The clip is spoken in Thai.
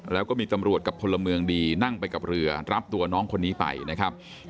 แล้วก็มีตำรวจกับพลเมืองดีนั่งไปกับเรือรับตัวน้องคนนี้ไปนะครับ